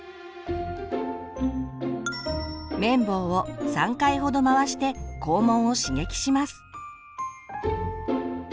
綿棒を３回ほど回して肛門を刺激します。